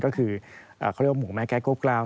ก็คือเขาเรียกว่าหมูแม่แก๊กกราว